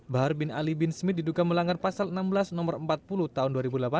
bahar bin ali bin smith diduka melanggar pasal enam belas no empat puluh tahun dua ribu delapan belas